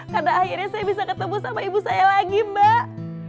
karena akhirnya saya bisa ketemu sama ibu saya lagi mbak